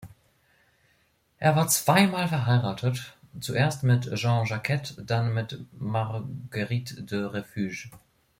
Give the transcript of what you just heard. Er war zweimal verheiratet, zuerst mit Jeanne Jacquet, dann mit Marguerite de Refuge.